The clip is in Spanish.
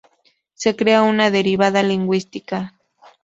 Se crea una derivada lingüística.